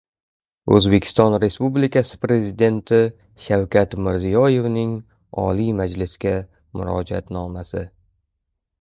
O‘zbekiston Respublikasi Prezidenti Shavkat Mirziyoyevning Oliy Majlisga Murojaatnomasi